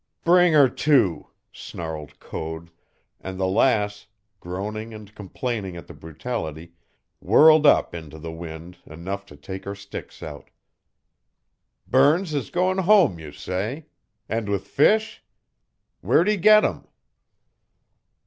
"Bring her to!" snarled Code, and the Lass, groaning and complaining at the brutality, whirled up into the wind enough to take her sticks out. "Burns's going home, you say? And with fish? Where'd he get 'em?"